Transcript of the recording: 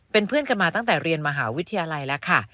เป็นเพื่อนกันมาตั้งแต่เรียนมหาวิทยาลัยแล้วค่ะ